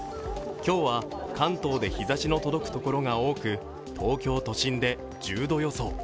今日は関東で日差しの届くところが多く、東京都心で１０度予想。